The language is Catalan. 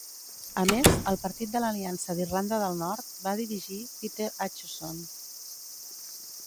A més, el partit de l'Aliança d'Irlanda del Nord va dirigir Peter Acheson.